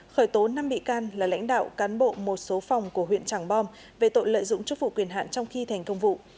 khởi tố năm bị can là lãnh đạo cán bộ một số phòng của huyện tràng bom về tội lợi dụng chức vụ quyền hạn trong khi thành công vụ